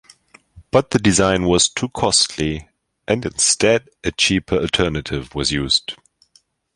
But the design was too costly and instead a cheaper alternative was used.